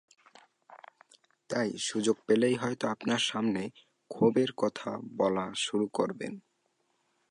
তাই সুযোগ পেলেই হয়তো আপনার সামনে ক্ষোভের কথা বলা শুরু করবেন।